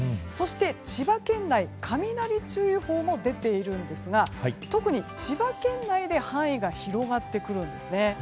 そして千葉県内雷注意報も出ているんですが特に千葉県内で範囲が広がってきます。